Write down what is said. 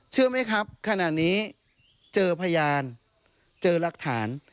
เชื่อไหมครับขณะนี้เจอพยานเจอรักฐาน